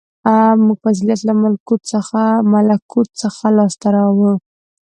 • موږ فضیلت له ملکوت څخه لاسته راوړو.